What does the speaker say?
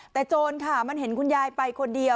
แต่โจรค่ะมันเห็นคุณยายไปคนเดียว